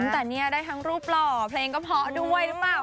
แต่เนี่ยได้ทั้งรูปหล่อเพลงก็พอด้วยนะครับ